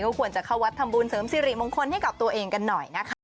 ควรจะเข้าวัดทำบุญเสริมสิริมงคลให้กับตัวเองกันหน่อยนะคะ